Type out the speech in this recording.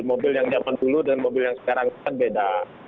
mobil yang zaman dulu dengan mobil yang sekarang itu kan beda